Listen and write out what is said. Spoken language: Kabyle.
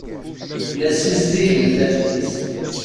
La ssizdigen taftist.